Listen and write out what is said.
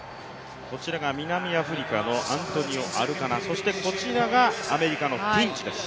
こちらが南アフリカのアントニオ・アルカナそしてこちらが、アメリカのティンチです。